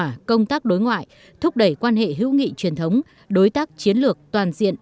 và công tác đối ngoại thúc đẩy quan hệ hữu nghị truyền thống đối tác chiến lược toàn diện